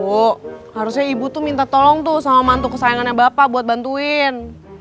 wow harusnya ibu tuh minta tolong tuh sama mantu kesayangannya bapak buat bantuin